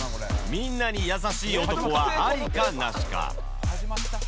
みんなに優しい男はアリかナシか